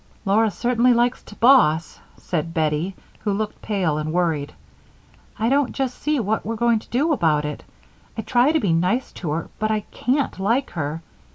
"Laura certainly likes to boss," said Bettie, who looked pale and worried. "I don't just see what we're going to do about it. I try to be nice to her, but I can't like her.